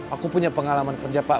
aku punya pengalaman kerja pak